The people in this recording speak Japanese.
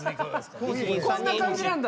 こんな感じなんだ。